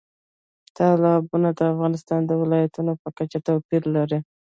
تالابونه د افغانستان د ولایاتو په کچه توپیر لري.